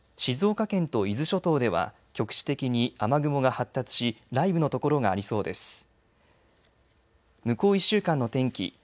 静岡県と伊豆諸島では局地的に雨雲が発達し雷雨の所がありそうです。